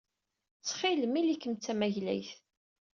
Ttxil-m, ili-kem d tamaglayt.